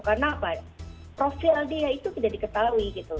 karena apa profil dia itu tidak diketahui gitu